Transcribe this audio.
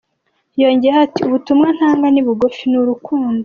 Yongeyeho ati “Ubutumwa ntanga ni bugufi, ni urukundo.